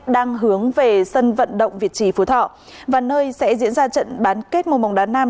đang hướng về sân vận động việt trì phú thọ và nơi sẽ diễn ra trận bán kết mùa bóng đá nam